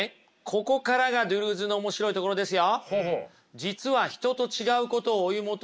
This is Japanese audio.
ここからがドゥルーズの面白いところですよ。